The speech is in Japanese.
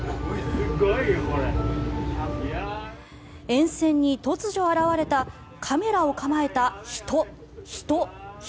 沿線に突如現れたカメラを構えた人、人、人。